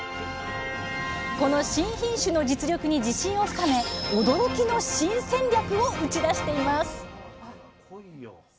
この新品種の実力に自信を深め驚きの新戦略を打ち出しています